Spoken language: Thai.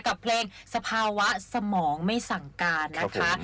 กับเพลงสภาวะสมองไม่สั่งการนะคะ